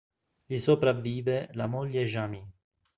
Gli sopravvive la moglie Jamie.